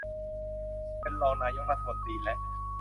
เป็นรองนายกรัฐมนตรีและ